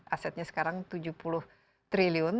asetnya sekarang tujuh puluh triliun